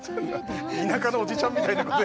田舎のおじちゃんみたいなこと